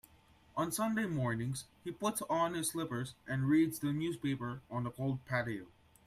On Sunday mornings, he puts on his slippers and reads the newspaper on the cold patio.